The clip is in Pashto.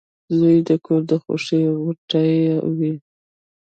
• زوی د کور د خوښۍ غوټۍ وي.